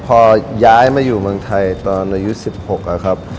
พอย้ายมาอยู่เมืองไทยตอนอายุ๑๖ครับ